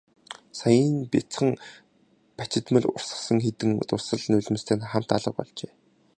Саяын нь бяцхан бачимдал урсгасан хэдэн дусал нулимстай нь хамт алга болжээ.